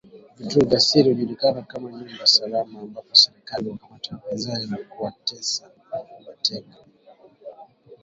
Vituo vya siri hujulikana kama nyumba salama ambapo serikali huwakamata wapinzani na kuwatesa mateka